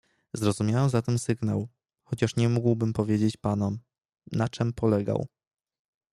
"Zrozumiałem zatem sygnał, chociaż nie mógłbym powiedzieć panom, na czem polegał."